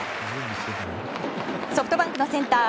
ソフトバンクのセンター